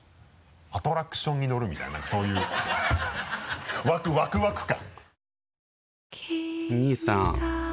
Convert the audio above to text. アトラクションに乗るみたいなそういう ワクワク感。